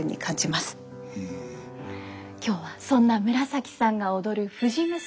今日はそんな紫さんが踊る「藤娘」